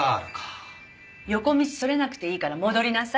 横道それなくていいから戻りなさい。